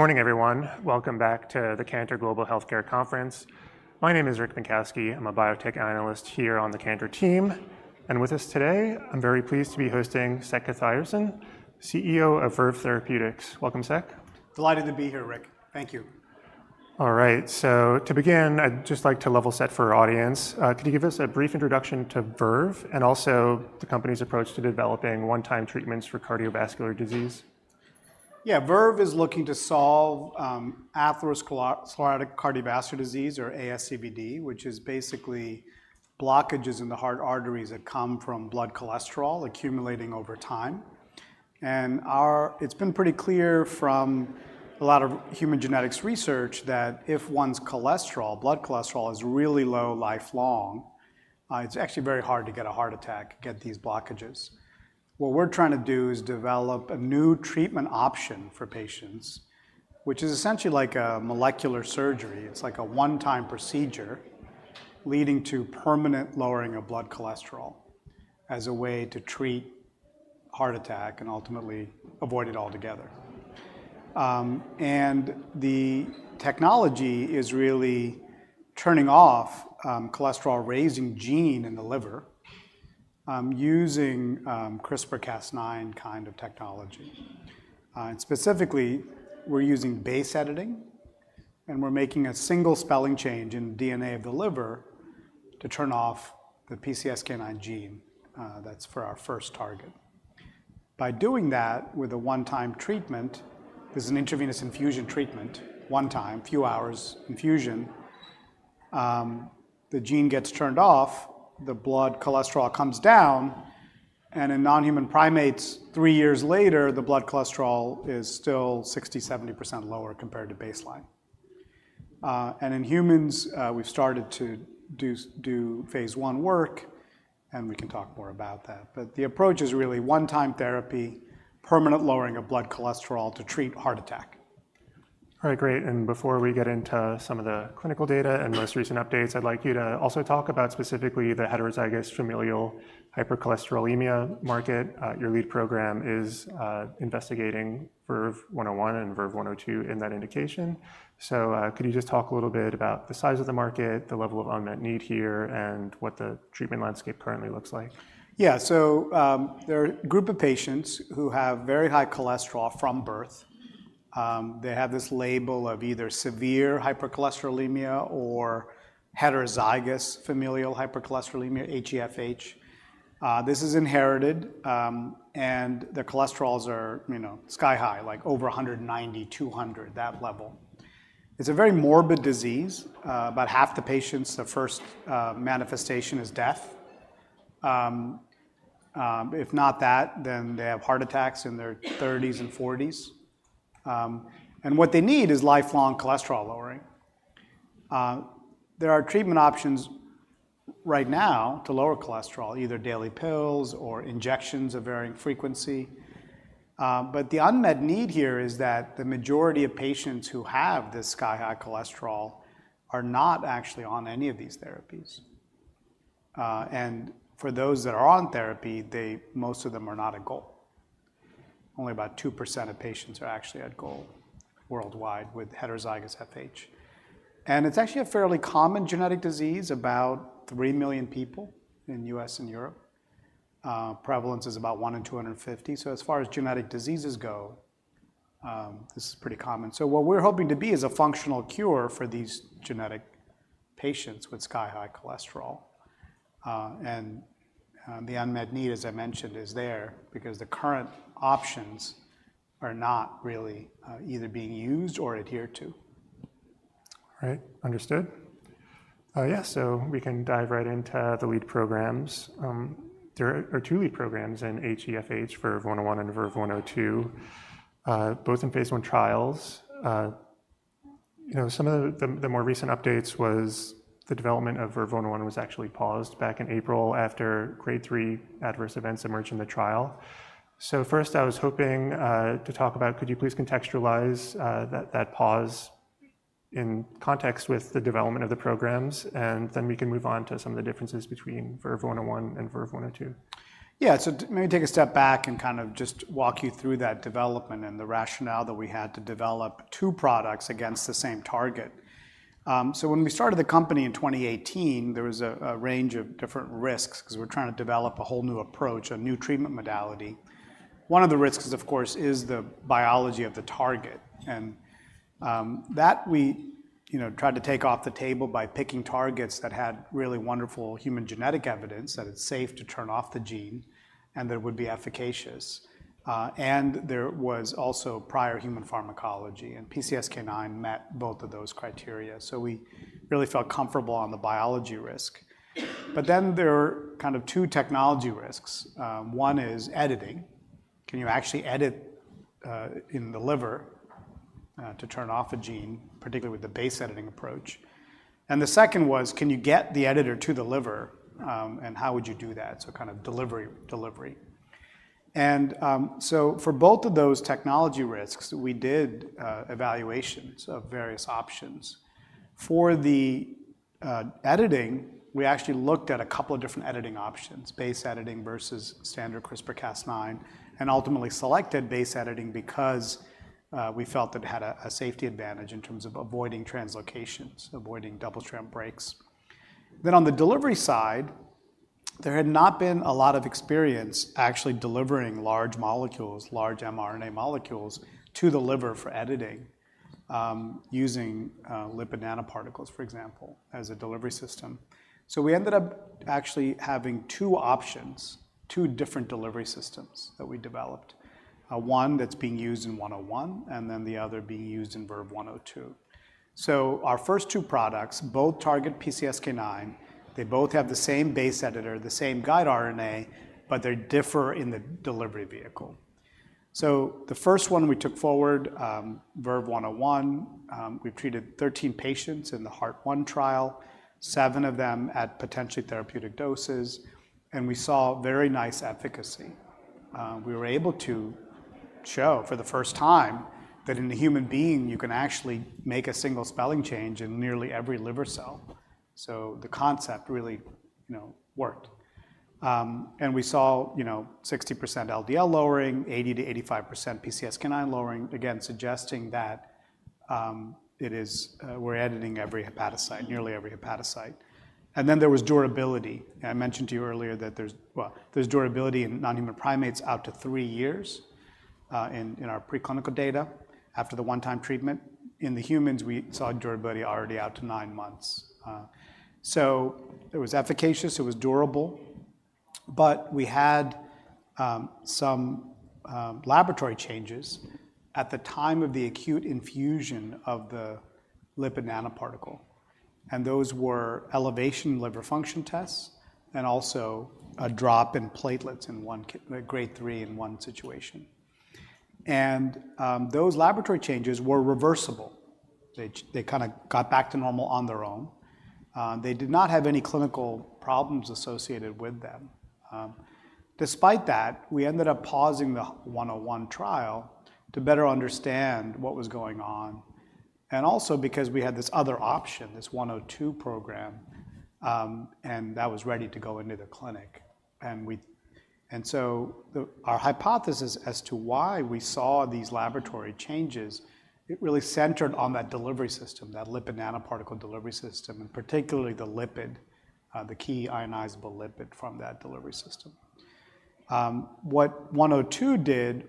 Morning, everyone. Welcome back to the Cantor Fitzgerald Global Healthcare Conference. My name is Rick Mankowski. I'm a biotech analyst here on the Cantor team, and with us today, I'm very pleased to be hosting Sekar Kathiresan, CEO of Verve Therapeutics. Welcome, Sek. Delighted to be here, Rick. Thank you. All right, so to begin, I'd just like to level set for our audience. Could you give us a brief introduction to Verve and also the company's approach to developing one-time treatments for cardiovascular disease? Yeah. Verve is looking to solve atherosclerotic cardiovascular disease or ASCVD, which is basically blockages in the heart arteries that come from blood cholesterol accumulating over time. It's been pretty clear from a lot of human genetics research that if one's cholesterol, blood cholesterol, is really low lifelong, it's actually very hard to get a heart attack, get these blockages. What we're trying to do is develop a new treatment option for patients, which is essentially like a molecular surgery. It's like a one-time procedure leading to permanent lowering of blood cholesterol as a way to treat heart attack and ultimately avoid it altogether. And the technology is really turning off cholesterol-raising gene in the liver using CRISPR-Cas9 kind of technology. Specifically, we're using base editing, and we're making a single spelling change in DNA of the liver to turn off the PCSK9 gene. That's for our first target. By doing that, with a one-time treatment, this is an intravenous infusion treatment, one time, few hours infusion, the gene gets turned off, the blood cholesterol comes down, and in non-human primates, three years later, the blood cholesterol is still 60%-70% lower compared to baseline. In humans, we've started to do phase 1 work, and we can talk more about that. The approach is really one-time therapy, permanent lowering of blood cholesterol to treat heart attack. All right, great, and before we get into some of the clinical data and most recent updates, I'd like you to also talk about specifically the heterozygous familial hypercholesterolemia market. Your lead program is investigating VERVE-101 and VERVE-102 in that indication. So, could you just talk a little bit about the size of the market, the level of unmet need here, and what the treatment landscape currently looks like? Yeah. So, there are a group of patients who have very high cholesterol from birth. They have this label of either severe hypercholesterolemia or heterozygous familial hypercholesterolemia, HeFH. This is inherited, and their cholesterols are, you know, sky high, like over 190, 200, that level. It's a very morbid disease. About half the patients, the first manifestation is death. If not that, then they have heart attacks in their thirties and forties. And what they need is lifelong cholesterol lowering. There are treatment options right now to lower cholesterol, either daily pills or injections of varying frequency. But the unmet need here is that the majority of patients who have this sky-high cholesterol are not actually on any of these therapies. And for those that are on therapy, they, most of them are not at goal. Only about 2% of patients are actually at goal worldwide with heterozygous FH. And it's actually a fairly common genetic disease, about 3 million people in the U.S. and Europe. Prevalence is about 1 in 250. So as far as genetic diseases go, this is pretty common. So what we're hoping to be is a functional cure for these genetic patients with sky-high cholesterol. And the unmet need, as I mentioned, is there because the current options are not really either being used or adhered to. All right, understood. Yeah, so we can dive right into the lead programs. There are two lead programs in HeFH, VERVE-101 and VERVE-102, both in phase 1 trials. You know, some of the more recent updates was the development of VERVE-101 was actually paused back in April after grade 3 adverse events emerged in the trial. So first, I was hoping to talk about could you please contextualize that pause in context with the development of the programs, and then we can move on to some of the differences between VERVE-101 and VERVE-102? Yeah. So maybe take a step back and kind of just walk you through that development and the rationale that we had to develop two products against the same target. So when we started the company in 2018, there was a range of different risks 'cause we're trying to develop a whole new approach, a new treatment modality. One of the risks, of course, is the biology of the target, and that we, you know, tried to take off the table by picking targets that had really wonderful human genetic evidence, that it's safe to turn off the gene, and that it would be efficacious. And there was also prior human pharmacology, and PCSK9 met both of those criteria, so we really felt comfortable on the biology risk. But then, there are kind of two technology risks. One is editing. Can you actually edit in the liver to turn off a gene, particularly with the base editing approach? And the second was, can you get the editor to the liver? And how would you do that? So kind of delivery. And so for both of those technology risks, we did evaluations of various options. For the editing, we actually looked at a couple of different editing options, base editing versus standard CRISPR-Cas9, and ultimately selected base editing because we felt it had a safety advantage in terms of avoiding translocations, avoiding double-strand breaks. Then on the delivery side, there had not been a lot of experience actually delivering large molecules, large mRNA molecules, to the liver for editing using lipid nanoparticles, for example, as a delivery system. So we ended up actually having two options, two different delivery systems that we developed: one that's being used in 101, and then the other being used in VERVE-102. So our first two products, both target PCSK9. They both have the same base editor, the same guide RNA, but they differ in the delivery vehicle. So the first one we took forward, VERVE-101, we treated 13 patients in the Heart-1 trial, 7 of them at potentially therapeutic doses, and we saw very nice efficacy. We were able to show, for the first time, that in a human being, you can actually make a single spelling change in nearly every liver cell, so the concept really, you know, worked. And we saw, you know, 60% LDL lowering, 80%-85% PCSK9 lowering, again, suggesting that it is... We're editing every hepatocyte, nearly every hepatocyte. And then, there was durability, and I mentioned to you earlier that there's durability in non-human primates out to three years in our preclinical data after the one-time treatment. In the humans, we saw durability already out to nine months. So it was efficacious, it was durable, but we had some laboratory changes at the time of the acute infusion of the lipid nanoparticle, and those were elevations in liver function tests and also a drop in platelets in one case, grade three in one situation. Those laboratory changes were reversible. They kind of got back to normal on their own. They did not have any clinical problems associated with them. Despite that, we ended up pausing the one oh one trial to better understand what was going on, and also because we had this other option, this one oh two program, and that was ready to go into the clinic. Our hypothesis as to why we saw these laboratory changes, it really centered on that delivery system, that lipid nanoparticle delivery system, and particularly the lipid, the key ionizable lipid from that delivery system. What one oh two did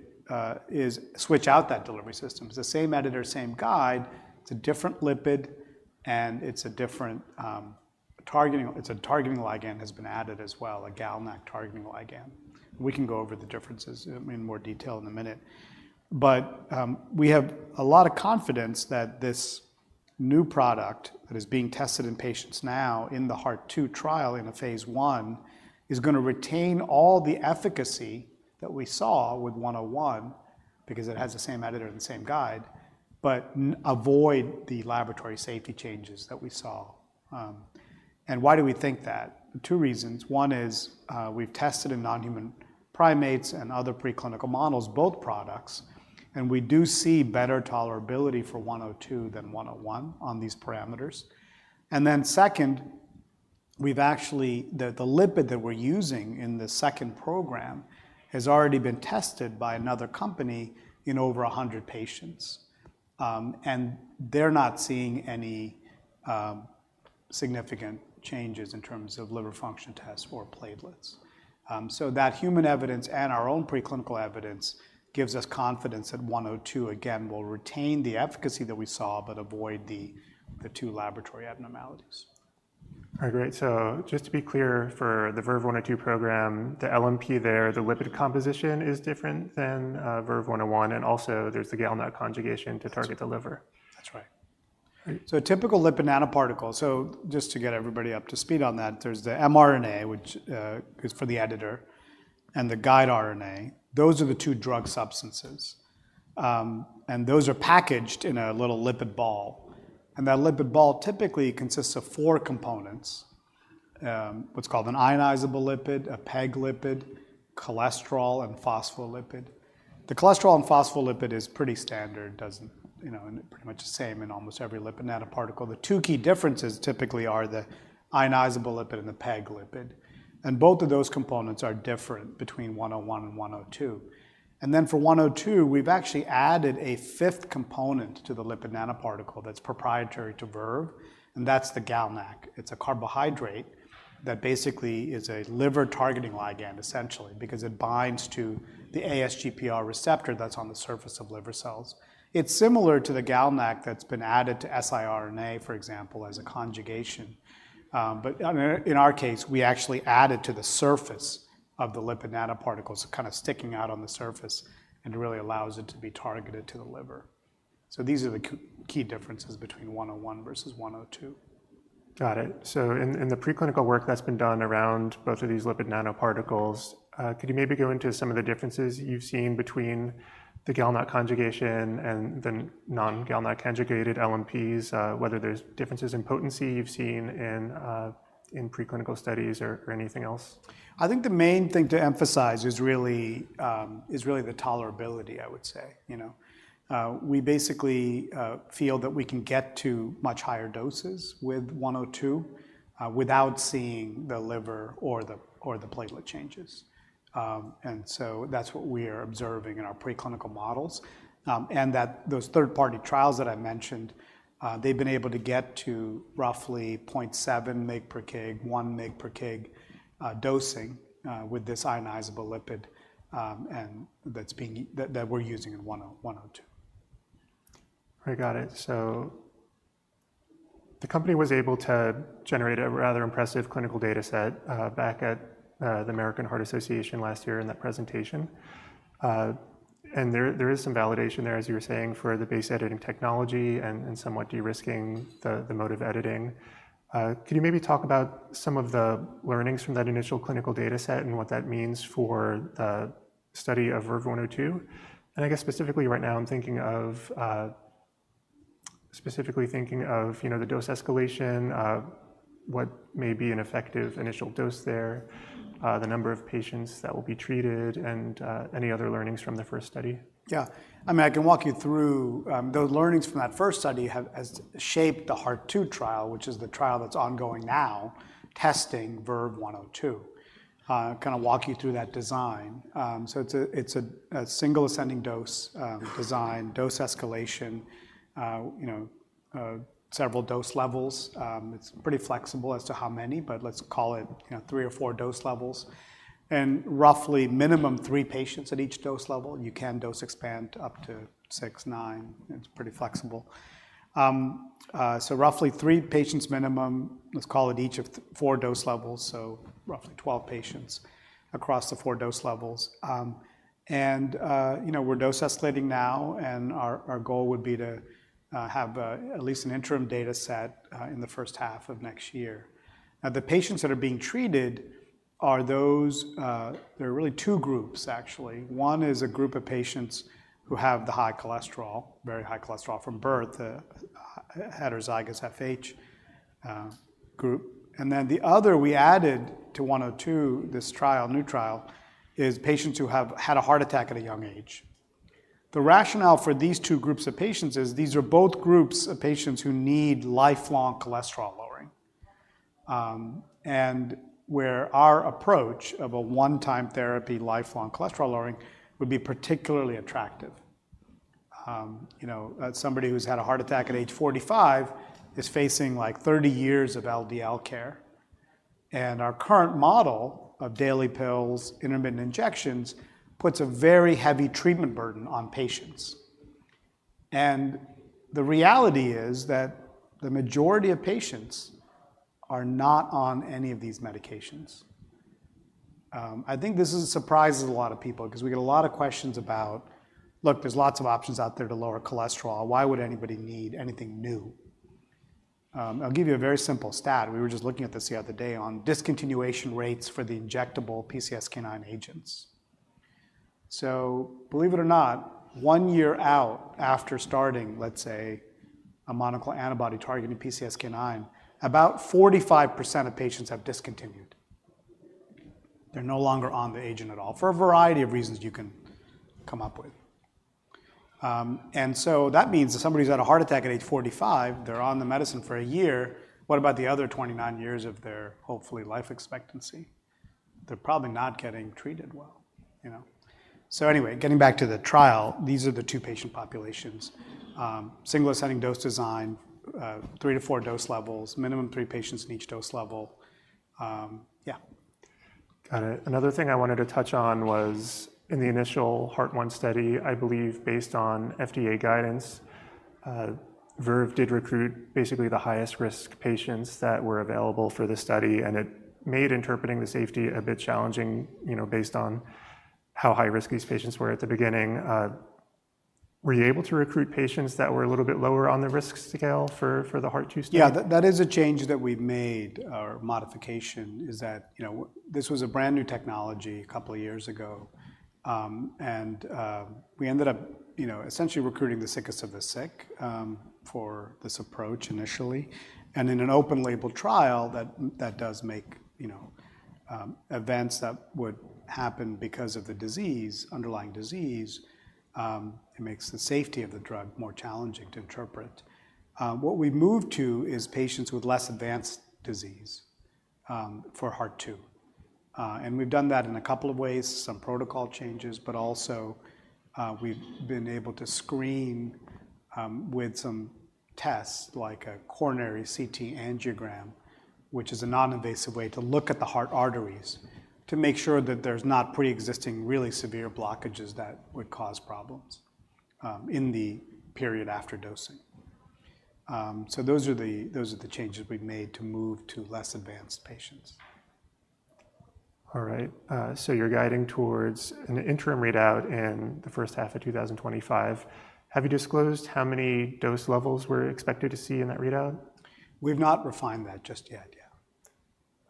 is switch out that delivery system. It's the same editor, same guide, it's a different lipid, and it's a different, targeting, it's a targeting ligand has been added as well, a GalNAc targeting ligand. We can go over the differences in more detail in a minute. But, we have a lot of confidence that this new product, that is being tested in patients now in the Heart-2 trial, in a phase one, is gonna retain all the efficacy that we saw with one oh one, because it has the same editor and the same guide, but avoid the laboratory safety changes that we saw. And why do we think that? Two reasons. One is, we've tested in non-human primates and other preclinical models, both products, and we do see better tolerability for one oh two than one oh one on these parameters. And then second, the lipid that we're using in the second program has already been tested by another company in over 100 patients, and they're not seeing any significant changes in terms of liver function tests or platelets. So that human evidence and our own preclinical evidence gives us confidence that one oh two, again, will retain the efficacy that we saw but avoid the two laboratory abnormalities. All right, great. So just to be clear, for the VERVE-102 program, the LNP there, the lipid composition is different than VERVE-101, and also, there's the GalNAc conjugation to target- That's right... the liver. That's right. Great. A typical lipid nanoparticle, just to get everybody up to speed on that, there's the mRNA, which is for the editor, and the guide RNA. Those are the two drug substances, and those are packaged in a little lipid ball, and that lipid ball typically consists of four components: what's called an ionizable lipid, a PEG lipid, cholesterol, and phospholipid. The cholesterol and phospholipid is pretty standard. You know, and pretty much the same in almost every lipid nanoparticle. The two key differences typically are the ionizable lipid and the PEG lipid, and both of those components are different between 101 and 102. Then, for 102, we've actually added a fifth component to the lipid nanoparticle that's proprietary to Verve, and that's the GalNAc. It's a carbohydrate that basically is a liver-targeting ligand, essentially, because it binds to the ASGPR receptor that's on the surface of liver cells. It's similar to the GalNAc that's been added to siRNA, for example, as a conjugation. But, I mean, in our case, we actually add it to the surface of the lipid nanoparticles, so kind of sticking out on the surface, and it really allows it to be targeted to the liver. So these are the key differences between one oh one versus one oh two.... Got it. So in the preclinical work that's been done around both of these lipid nanoparticles, could you maybe go into some of the differences you've seen between the GalNAc conjugation and the non-GalNAc conjugated LNPs, whether there's differences in potency you've seen in preclinical studies or anything else? I think the main thing to emphasize is really, is really the tolerability, I would say, you know. We basically feel that we can get to much higher doses with 102, without seeing the liver or the platelet changes, and so that's what we are observing in our preclinical models. Those third-party trials that I mentioned, they've been able to get to roughly 0.7 mg per kg, 1 mg per kg dosing with this ionizable lipid, and that's the one that we're using in 102. I got it. So the company was able to generate a rather impressive clinical data set, back at, the American Heart Association last year in that presentation. And there is some validation there, as you were saying, for the base editing technology and somewhat de-risking the mode of editing. Could you maybe talk about some of the learnings from that initial clinical data set and what that means for the study of VERVE-102? And I guess, specifically right now, I'm thinking of, you know, the dose escalation, what may be an effective initial dose there, the number of patients that will be treated, and any other learnings from the first study. Yeah. I mean, I can walk you through the learnings from that first study has shaped the Heart-2 trial, which is the trial that's ongoing now, testing VERVE-102. Kind of walk you through that design. So it's a single ascending-dose design, dose escalation, several dose levels. It's pretty flexible as to how many, but let's call it, you know, three or four dose levels, and roughly minimum three patients at each dose level. You can dose expand up to six, nine, it's pretty flexible. So roughly three patients minimum, let's call it each of four dose levels, so roughly 12 patients across the four dose levels. And, you know, we're dose escalating now, and our goal would be to have at least an interim data set in the first half of next year. Now, the patients that are being treated are those. There are really two groups, actually. One is a group of patients who have the high cholesterol, very high cholesterol from birth, the heterozygous FH group. And then the other, we added to 102, this trial, new trial, is patients who have had a heart attack at a young age. The rationale for these two groups of patients is these are both groups of patients who need lifelong cholesterol lowering, and where our approach of a one-time therapy, lifelong cholesterol lowering, would be particularly attractive. You know, somebody who's had a heart attack at age forty-five is facing, like, thirty years of LDL care, and our current model of daily pills, intermittent injections, puts a very heavy treatment burden on patients. And the reality is that the majority of patients are not on any of these medications. I think this is a surprise to a lot of people 'cause we get a lot of questions about: "Look, there's lots of options out there to lower cholesterol. Why would anybody need anything new?" I'll give you a very simple stat. We were just looking at this the other day on discontinuation rates for the injectable PCSK9 agents. So believe it or not, one year out after starting, let's say, a monoclonal antibody targeting PCSK9, about 45% of patients have discontinued. They're no longer on the agent at all, for a variety of reasons you can come up with, and so that means that somebody who's had a heart attack at age forty-five, they're on the medicine for a year. What about the other twenty-nine years of their, hopefully, life expectancy? They're probably not getting treated well, you know, so anyway, getting back to the trial, these are the two patient populations. Single ascending-dose design, three to four dose levels, minimum three patients in each dose level. Got it. Another thing I wanted to touch on was, in the initial Heart-1 study, I believe, based on FDA guidance, Verve did recruit basically the highest-risk patients that were available for the study, and it made interpreting the safety a bit challenging, you know, based on how high-risk these patients were at the beginning. Were you able to recruit patients that were a little bit lower on the risk scale for the Heart-2 study? Yeah. That is a change that we've made, or modification, is that, you know, this was a brand-new technology a couple of years ago, and we ended up, you know, essentially recruiting the sickest of the sick for this approach initially, and in an open-label trial, that does make, you know, events that would happen because of the disease, underlying disease, it makes the safety of the drug more challenging to interpret. What we've moved to is patients with less advanced disease for Heart-2. And we've done that in a couple of ways, some protocol changes, but also, we've been able to screen with some tests, like a coronary CT angiogram, which is a non-invasive way to look at the heart arteries, to make sure that there's not pre-existing, really severe blockages that would cause problems in the period after dosing. So those are the changes we've made to move to less advanced patients.... All right, so you're guiding towards an interim readout in the first half of 2025. Have you disclosed how many dose levels we're expected to see in that readout? We've not refined that just yet,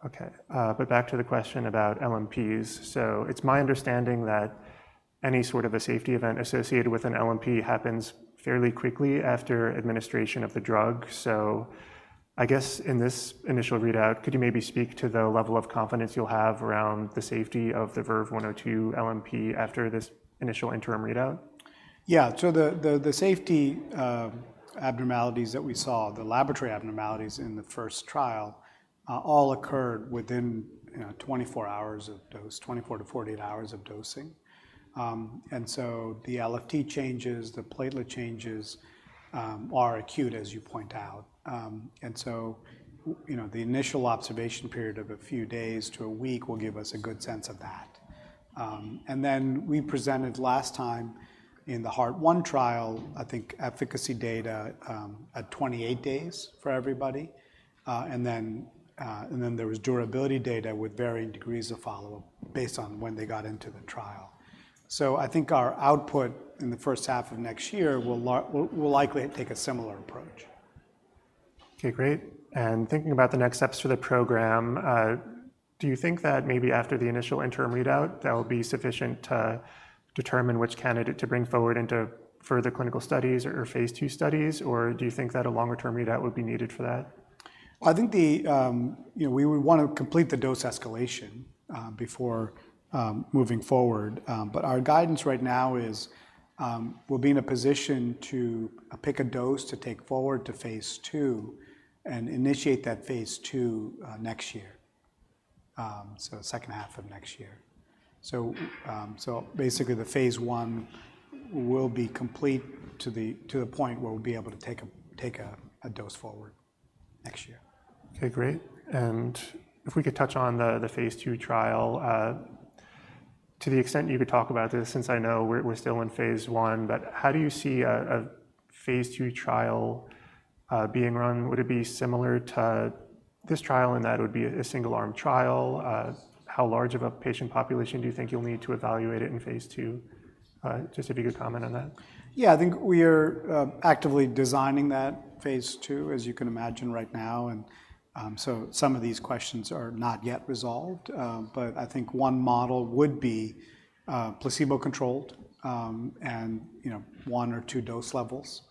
yeah. Okay, but back to the question about LNPs. So it's my understanding that any sort of a safety event associated with an LNP happens fairly quickly after administration of the drug. So I guess, in this initial readout, could you maybe speak to the level of confidence you'll have around the safety of the VERVE-102 LNP after this initial interim readout? Yeah. So the safety abnormalities that we saw, the laboratory abnormalities in the first trial, all occurred within, you know, 24 hours of dose, 24 to 48 hours of dosing. The LFT changes, the platelet changes, are acute, as you point out. You know, the initial observation period of a few days to a week will give us a good sense of that. We presented last time in the Heart-1 trial, I think, efficacy data at 28 days for everybody. There was durability data with varying degrees of follow-up, based on when they got into the trial. I think our output in the first half of next year will likely take a similar approach. Okay, great. And thinking about the next steps for the program, do you think that maybe after the initial interim readout, that will be sufficient to determine which candidate to bring forward into further clinical studies or Phase Two studies, or do you think that a longer-term readout would be needed for that? I think you know, we would want to complete the dose escalation before moving forward. But our guidance right now is we'll be in a position to pick a dose to take forward to phase two and initiate that phase two next year. So second half of next year. So basically, the phase one will be complete to the point where we'll be able to take a dose forward next year. Okay, great, and if we could touch on the phase two trial, to the extent you could talk about this, since I know we're still in phase one, but how do you see a phase two trial being run? Would it be similar to this trial, in that it would be a single-arm trial? How large of a patient population do you think you'll need to evaluate it in phase two? Just if you could comment on that. Yeah, I think we are actively designing that phase 2, as you can imagine, right now, and so some of these questions are not yet resolved, but I think one model would be placebo-controlled, and you know, one or two dose levels,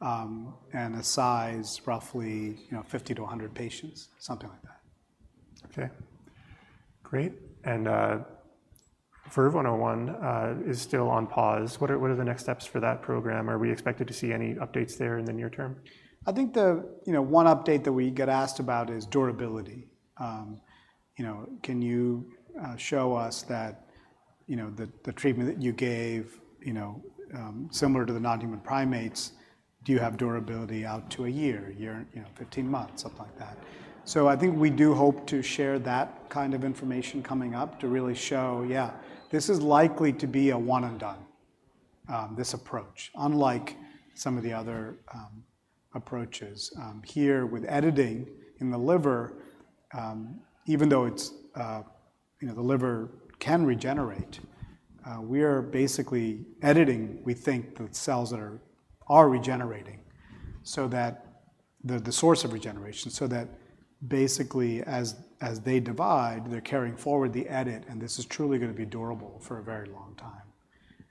and a size roughly you know, 50 to 100 patients, something like that. Okay. Great, and, VERVE-101, is still on pause. What are the next steps for that program? Are we expected to see any updates there in the near term? I think the, you know, one update that we get asked about is durability. You know, can you show us that, you know, the treatment that you gave, you know, similar to the non-human primates, do you have durability out to a year and, you know, 15 months, something like that? So I think we do hope to share that kind of information coming up, to really show, yeah, this is likely to be a one and done, this approach, unlike some of the other approaches. Here, with editing in the liver, even though it's... You know, the liver can regenerate. We are basically editing, we think, the cells that are regenerating so that the source of regeneration, so that basically, as they divide, they're carrying forward the edit, and this is truly gonna be durable for a very long time.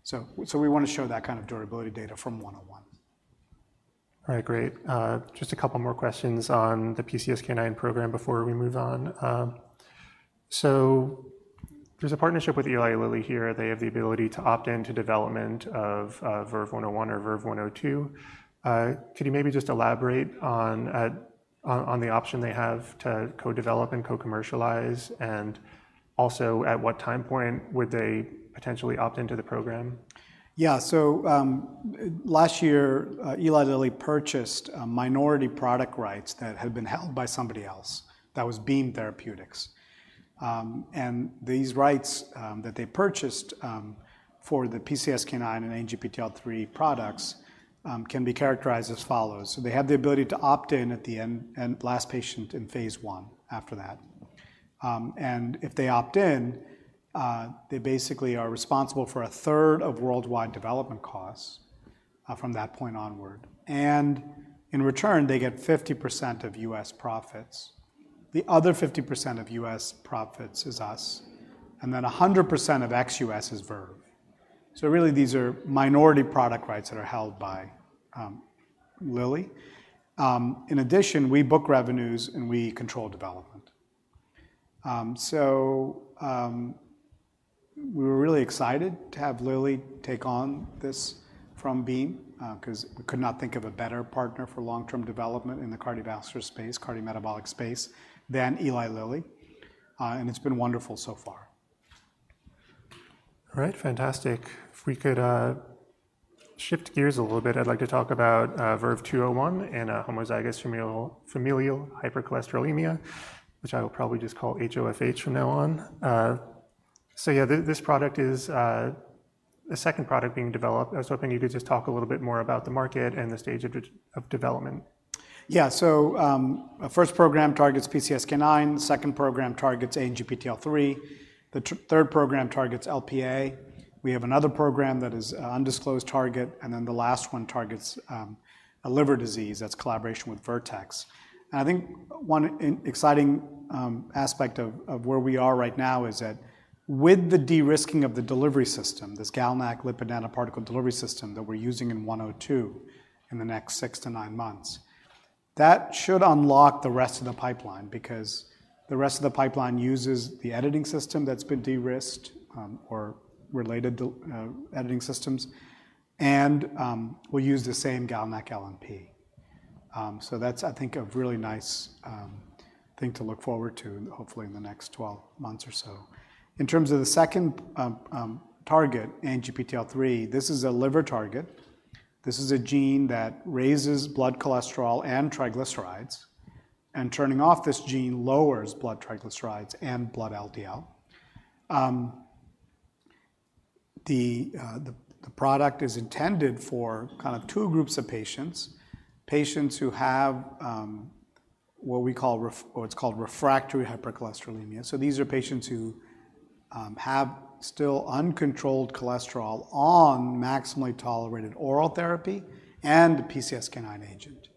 So we wanna show that kind of durability data from one-oh-one. All right. Great, just a couple more questions on the PCSK9 program before we move on. So there's a partnership with Eli Lilly here. They have the ability to opt in to development of VERVE-101 or VERVE-102. Could you maybe just elaborate on the option they have to co-develop and co-commercialize, and also, at what time point would they potentially opt into the program? Yeah, so, last year, Eli Lilly purchased a minority product rights that had been held by somebody else. That was Beam Therapeutics. And these rights, that they purchased, for the PCSK9 and ANGPTL3 products, can be characterized as follows: They have the ability to opt in at the end, last patient in phase 1, after that. And if they opt in, they basically are responsible for a third of worldwide development costs, from that point onward, and in return, they get 50% of U.S. profits. The other 50% of U.S. profits is us, and then 100% of ex-U.S. is Verve. Really, these are minority product rights that are held by, Lilly. In addition, we book revenues, and we control development. We were really excited to have Lilly take on this from Beam, 'cause we could not think of a better partner for long-term development in the cardiovascular space, cardiometabolic space, than Eli Lilly, and it's been wonderful so far. All right. Fantastic. If we could shift gears a little bit, I'd like to talk about VERVE-201 and homozygous familial hypercholesterolemia, which I will probably just call HoFH from now on. So yeah, this product is the second product being developed. I was hoping you could just talk a little bit more about the market and the stage of it, of development. Yeah, so, our first program targets PCSK9, the second program targets ANGPTL3, the third program targets LPA. We have another program that is undisclosed target, and then the last one targets a liver disease. That's a collaboration with Vertex. And I think one exciting aspect of where we are right now is that with the de-risking of the delivery system, this GalNAc lipid nanoparticle delivery system that we're using in 102, in the next six to nine months, that should unlock the rest of the pipeline because the rest of the pipeline uses the editing system that's been de-risked, or related to editing systems, and we use the same GalNAc-LNP. So that's, I think, a really nice thing to look forward to, hopefully, in the next 12 months or so. In terms of the second target, ANGPTL3, this is a liver target. This is a gene that raises blood cholesterol and triglycerides, and turning off this gene lowers blood triglycerides and blood LDL. The product is intended for kind of two groups of patients, patients who have what's called refractory hypercholesterolemia. So these are patients who have still uncontrolled cholesterol on maximally tolerated oral therapy and a PCSK9 agent.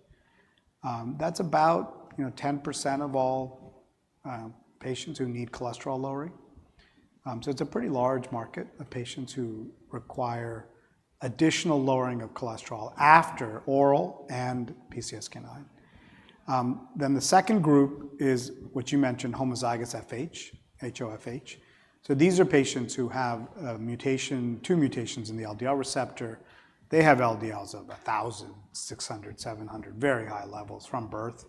That's about, you know, 10% of all patients who need cholesterol lowering. So it's a pretty large market of patients who require additional lowering of cholesterol after oral and PCSK9. Then the second group is, which you mentioned, homozygous FH, HoFH. So these are patients who have a mutation, two mutations in the LDL receptor. They have LDLs of a thousand, six hundred, seven hundred, very high levels from birth,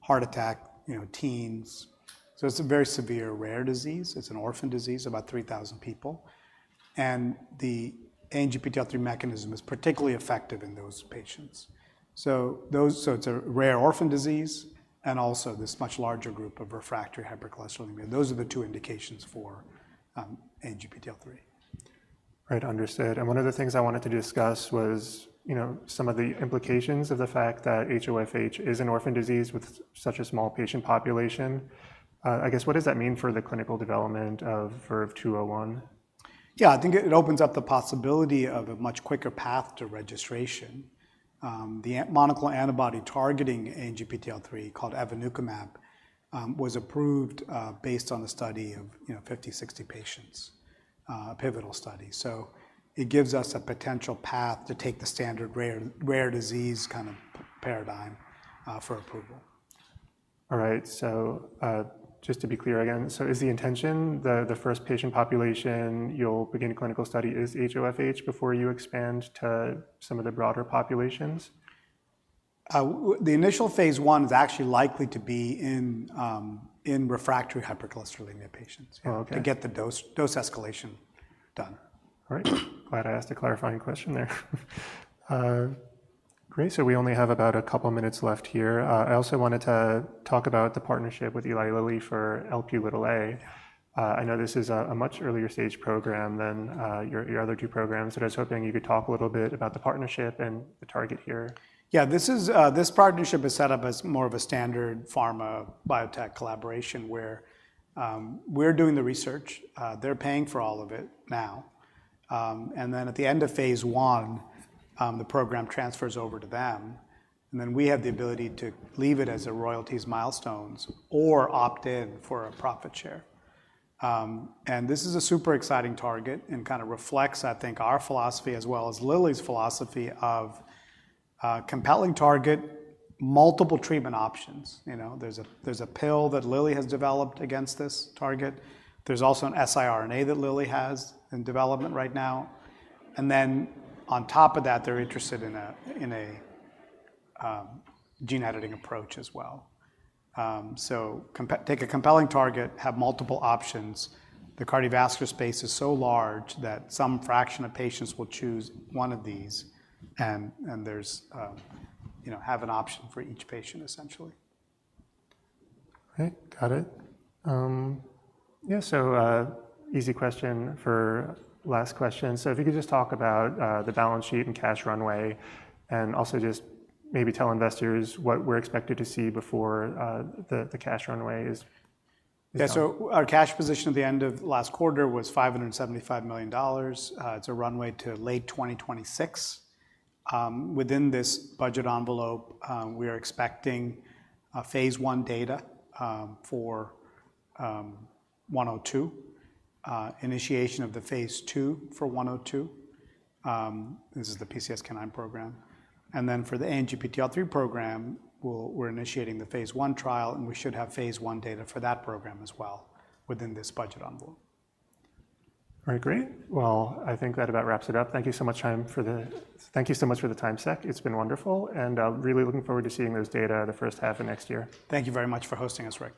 heart attack, you know, teens, so it's a very severe rare disease. It's an orphan disease, about three thousand people, and the ANGPTL3 mechanism is particularly effective in those patients. So it's a rare orphan disease and also this much larger group of refractory hypercholesterolemia. Those are the two indications for ANGPTL3. Right. Understood. And one of the things I wanted to discuss was, you know, some of the implications of the fact that HoFH is an orphan disease with such a small patient population. I guess, what does that mean for the clinical development of VERVE-201? Yeah, I think it opens up the possibility of a much quicker path to registration. The monoclonal antibody targeting ANGPTL3, called Evinacumab, was approved based on a study of, you know, 50-60 patients, pivotal study. So it gives us a potential path to take the standard rare disease kind of paradigm for approval. All right. So, just to be clear again, so is the intention the first patient population you'll begin a clinical study is HoFH before you expand to some of the broader populations? The initial phase 1 is actually likely to be in refractory hypercholesterolemia patients. Oh, okay. To get the dose, dose escalation done. All right. Glad I asked a clarifying question there. Great, so we only have about a couple minutes left here. I also wanted to talk about the partnership with Eli Lilly for Lp(a). I know this is a much earlier stage program than your other two programs, so I was hoping you could talk a little bit about the partnership and the target here. Yeah, this is this partnership is set up as more of a standard pharma-biotech collaboration, where we're doing the research, they're paying for all of it now. And then at the end of phase 1, the program transfers over to them, and then we have the ability to leave it as a royalties milestones or opt in for a profit share. And this is a super exciting target and kind of reflects, I think, our philosophy as well as Lilly's philosophy of a compelling target, multiple treatment options, you know? There's a pill that Lilly has developed against this target. There's also an siRNA that Lilly has in development right now, and then on top of that, they're interested in a gene editing approach as well. So take a compelling target, have multiple options. The cardiovascular space is so large that some fraction of patients will choose one of these, and there's... You know, have an option for each patient, essentially. Okay. Got it. Yeah, so, easy question for last question. So if you could just talk about the balance sheet and cash runway, and also just maybe tell investors what we're expected to see before the cash runway is- Yeah. So our cash position at the end of last quarter was $575 million. It's a runway to late 2026. Within this budget envelope, we are expecting phase 1 data for 102, initiation of the phase 2 for 102. This is the PCSK9 program. And then for the ANGPTL3 program, we're initiating the phase 1 trial, and we should have phase 1 data for that program as well within this budget envelope. All right. Great. Well, I think that about wraps it up. Thank you so much for the time, Sek. It's been wonderful, and really looking forward to seeing those data in the first half of next year. Thank you very much for hosting us, Rick.